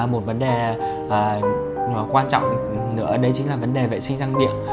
một vấn đề quan trọng nữa đấy chính là vấn đề vệ sinh răng điện